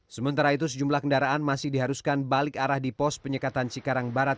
sementara itu sejumlah kendaraan masih diharuskan balik arah di pos penyekatan cikarang barat